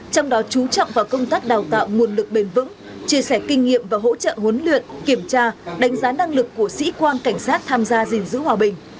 trong đó chú trọng vào công tác đào tạo nguồn lực bền vững chia sẻ kinh nghiệm và hỗ trợ huấn luyện kiểm tra đánh giá năng lực của sĩ quan cảnh sát tham gia gìn giữ hòa bình